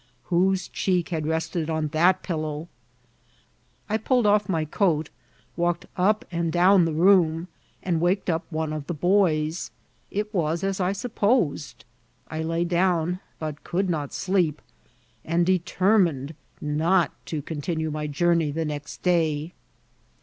Whose cheek had rested on that pillow ? I pulled off my coat, walked up and down the room, and waked up one of the boys. It was as I supposed. I lay down, but could not deep^ and determined not to continue my journey the next day.